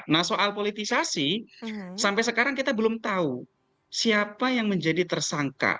nah soal politisasi sampai sekarang kita belum tahu siapa yang menjadi tersangka